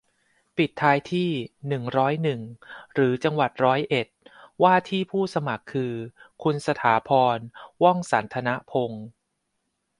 ปิดท้ายที่ หนึ่งร้อยหนึ่ง หรือ จังหวัดร้อยเอ็ด ว่าที่ผู้สมัครคือ คุณสถาพร ว่องสัธนพงษ์